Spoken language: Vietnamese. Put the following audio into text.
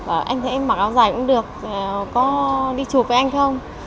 ở anh thấy em mặc áo dài cũng được có đi chụp với anh không